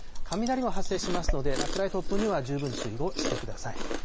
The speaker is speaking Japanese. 雷も発生しますので、落雷、突風には十分注意をしてください。